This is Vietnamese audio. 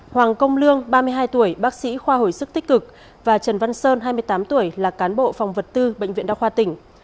hoàng công lương ba mươi hai tuổi bác sĩ khoa hồi sức tích cực và trần văn sơn hai mươi tám tuổi là cán bộ phòng vật tư bệnh viện đa khoa tỉnh